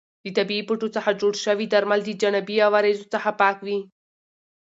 د طبیعي بوټو څخه جوړ شوي درمل د جانبي عوارضو څخه پاک وي.